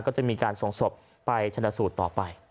ก็จะมีการส่งศพไปชนะสูตรต่อไป